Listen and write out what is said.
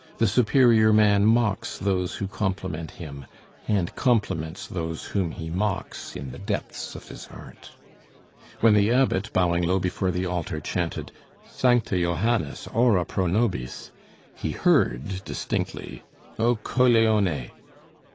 The superior man mocks those who compliment him, and compliments those whom he mocks in the depths of his heart. When the Abbot, bowing low before the altar, chanted: "'Sancte Johannes, ora pro nobis'!" he heard distinctly: "'O coglione'!"